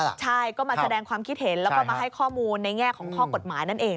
ใช่ก็มาแสดงความคิดเห็นแล้วก็มาให้ข้อมูลในแง่ของข้อกฎหมายนั่นเอง